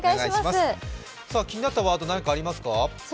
気になったワード、何かありますか？